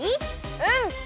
うん！